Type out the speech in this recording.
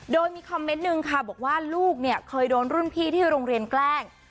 โดยมีคอมเมนนึงว่าลูกเคยโดนรุ่นพี่ที่โรงเรียนแกล้ง